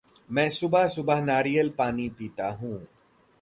मैं सुबह-सुबह नारियल-पानी पीता हूँ।